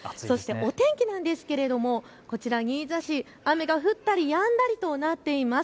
お天気なんですけれどこちら新座市、雨が降ったりやんだりとなっています。